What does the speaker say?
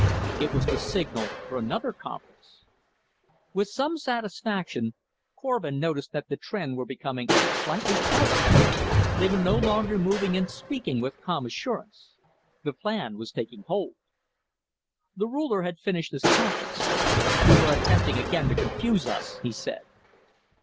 It was the signal for another conference. With some satisfaction, Korvin noticed that the Tr'en were becoming slightly puzzled; they were no longer moving and speaking with calm assurance. The plan was taking hold. The Ruler had finished his conference. "You are attempting again to confuse us," he said.